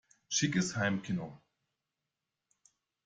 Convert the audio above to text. Schickes Heimkino!